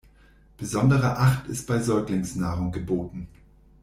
Besondere Acht ist bei Säuglingsnahrung geboten.